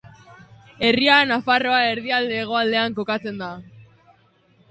Herria Nafarroa erdialde-hegoaldean kokatzen da.